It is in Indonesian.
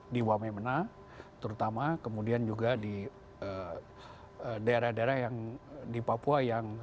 di wamemena terutama kemudian juga di daerah daerah di papua